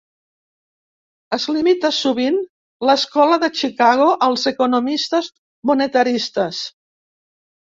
Es limita sovint l'escola de Chicago als economistes monetaristes.